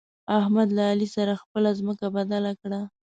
احمد له علي سره خپله ځمکه بدله کړه.